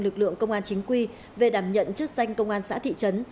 lực lượng công an chính quy về đảm nhận chức danh công an xã thị trấn